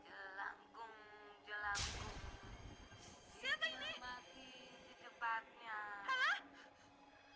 jalan kung jalan se di sini ada pesta besar besaran